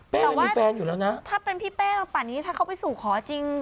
เป้มันมีแฟนอยู่แล้วนะแต่ว่าถ้าเป็นพี่เป้ป่ะนี้ถ้าเขาไปสู่ขอจริง